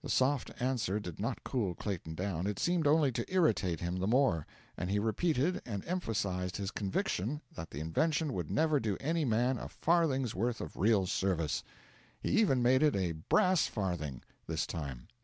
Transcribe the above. The soft answer did not cool Clayton down; it seemed only to irritate him the more; and he repeated and emphasised his conviction that the invention would never do any man a farthing's worth of real service. He even made it a 'brass' farthing, this time.